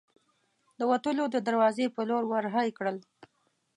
د وتلو د دراوزې په لور ور هۍ کړل.